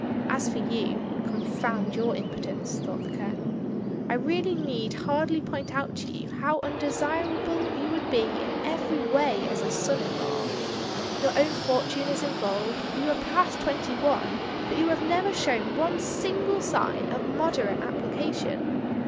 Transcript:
As for you" — confound your impudence. STEI^LA MEA. 1 79 thought the Colonel — "I really need hardly point out to you how undesirable you would be in every way as a son in law. Your own fortune is involved, you are past twenty one, but you have never shown one single sign of moderate application.